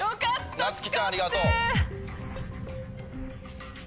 なつきちゃんありがとう。